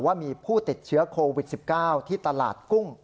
ว่ามีผู้ติดเชื้อโควิด๑๙ที่ตลาดกุ้ง